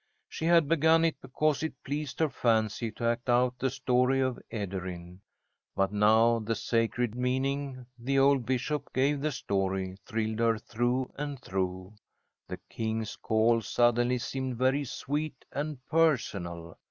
She had begun it because it pleased her fancy to act out the story of Ederyn, but now the sacred meaning the old bishop gave the story thrilled her through and through. The King's call suddenly seemed very sweet and personal.